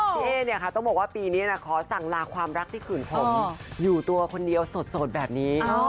เอ๊เนี่ยค่ะต้องบอกว่าปีนี้นะขอสั่งลาความรักที่ขืนผมอยู่ตัวคนเดียวสดแบบนี้